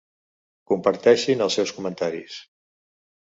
Comparteixin els seus comentaris.